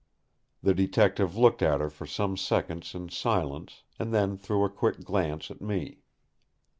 The Detective looked at her for some seconds in silence, and then threw a quick glance at me.